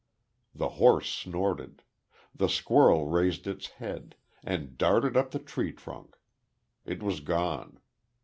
The horse snorted.... The squirrel raised its head; and darted up the tree trunk. It was gone.